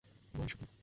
মা, এসব কী?